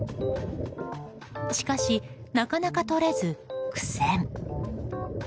しかしなかなか取れず苦戦。